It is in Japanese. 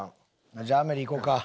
じゃあ『アメリ』いこうか？